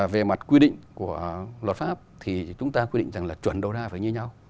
về mặt quy định của luật pháp thì chúng ta quy định rằng là chuẩn đầu ra phải như nhau